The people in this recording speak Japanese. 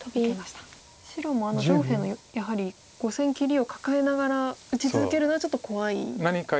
白もあの上辺のやはり５線切りを抱えながら打ち続けるのはちょっと怖いですか。